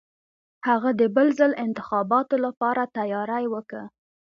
هغه د بل ځل انتخاباتو لپاره تیاری وکه.